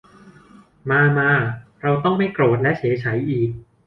มา มา เราต้องไม่โกรธและเฉไฉอีก